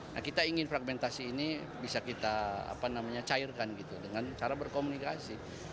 nah kita ingin fragmentasi ini bisa kita cairkan gitu dengan cara berkomunikasi